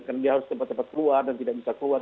karena dia harus cepat cepat keluar dan tidak bisa keluar